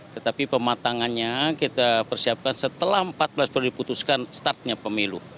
tetapi pematangannya kita persiapkan setelah empat belas perlu diputuskan startnya pemilu